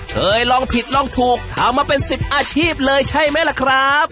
เคยลองผิดลองถูกทำมาเป็น๑๐อาชีพเลยใช่ไหมล่ะครับ